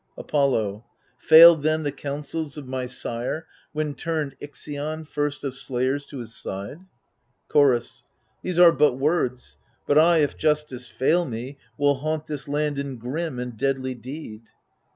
Apollo Failed then the counsels of my sire, when turned Ixion, first of slayers, to his side ? Chorus These are but words ; but I, if justice fail me, Will haunt this land in grim and deadly deed.